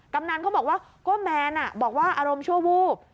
กำนันเขาบอกว่าก็แมนบอกว่าอารมณ์ชั่ววูบ